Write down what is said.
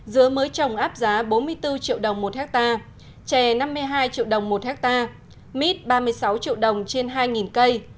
dứa mới trồng áp giá bốn mươi bốn triệu đồng một hectare chè năm mươi hai triệu đồng một ha mít ba mươi sáu triệu đồng trên hai cây